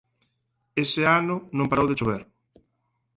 Ese ano non parou de chover